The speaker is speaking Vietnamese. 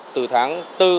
từ tháng bốn